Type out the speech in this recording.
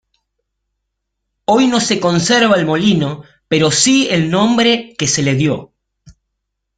Hoy no se conserva el molino pero sí el nombre que se le dió.